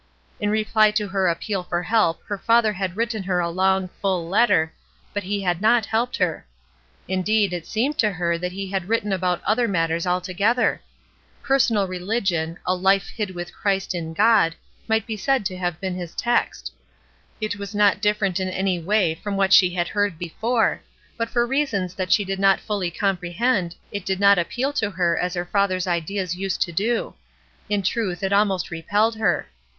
In reply to her appeal for help her father had written her a long, full letter, but he had not helped her. Indeed, it seemed to her that he had written about other matters altogether. Personal rehgion, a '4ife hid with Christ in God," might be said to have been his text. It was not different in any way from what she had heard before, but for reasons that she did not fully comprehend it did not appeal to her as her father's ideas used to do; in truth, it almost repelled her.